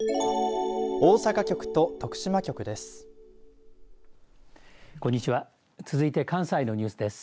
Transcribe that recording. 大阪局と徳島局です。